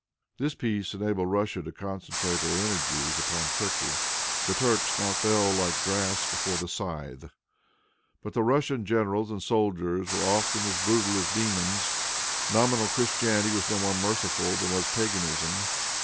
This peace enabled Russia to concentrate her energies upon Turkey. The Turks now fell like grass before the scythe. But the Russian generals and soldiers were often as brutal as demons. Nominal Christianity was no more merciful than was paganism.